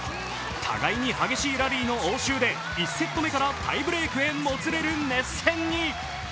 互いに激しいラリーの応酬で１セット目からタイブレークにもつれる熱戦へ。